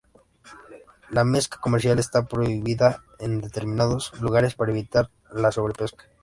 La pesca comercial está prohibida en determinados lugares para evitar la sobrepesca.